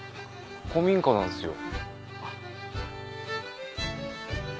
古民家なんですよ。